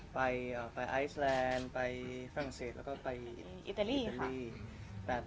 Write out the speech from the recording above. ไปไอซแลนด์ไปฝรั่งเศสแล้วก็ไปอิตาลีค่ะ